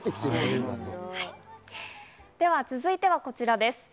続いてはこちらです。